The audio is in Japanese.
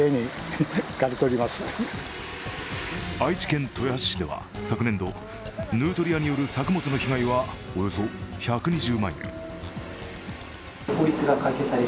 愛知県豊橋市では昨年度、ヌートリアによる作物の被害はおよそ１２０万円。